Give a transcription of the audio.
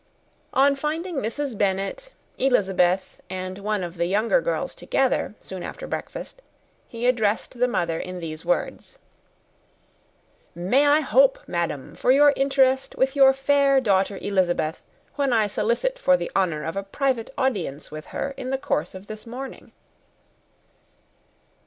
On finding Mrs. Bennet, Elizabeth, and one of the younger girls together, soon after breakfast, he addressed the mother in these words, "May I hope, madam, for your interest with your fair daughter Elizabeth, when I solicit for the honour of a private audience with her in the course of this morning?"